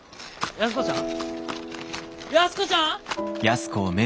安子ちゃん！？